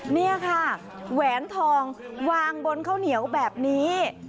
นี่ค่ะแหวนทองวางบนข้าวเหนียวแบบนี้